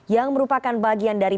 yang merupakan bagian dari